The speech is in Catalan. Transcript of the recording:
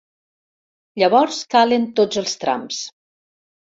Llavors calen tots els trams.